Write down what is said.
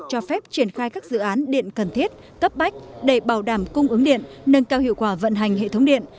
cho phép triển khai các dự án điện cần thiết cấp bách để bảo đảm cung ứng điện nâng cao hiệu quả vận hành hệ thống điện